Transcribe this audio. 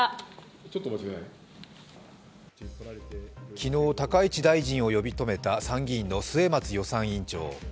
昨日、高市大臣を呼び止めた参議院の末松予算委員長。